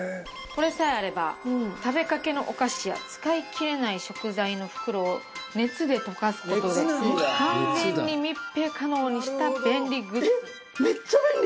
これさえあれば食べかけのお菓子や使いきれない食材の袋を熱で溶かす事で完全に密閉可能にした便利グッズ。